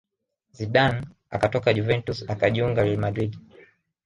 Zidane akatoka Juventus akajiunga real madrid